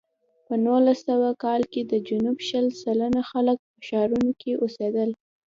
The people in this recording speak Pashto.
په نولس سوه کال کې د جنوب شل سلنه خلک په ښارونو کې اوسېدل.